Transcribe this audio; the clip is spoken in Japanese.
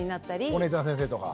お姉ちゃん先生とか。